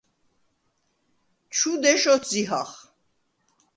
ჩუ დეშ ოთზიჰახ.